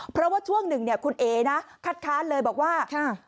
เพราะว่าช่วงหนึ่งเนี่ยคุณเอ๋นะคัดค้านเลยบอกว่า